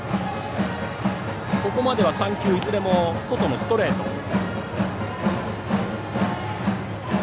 ここまでは３球いずれも外のストレートです。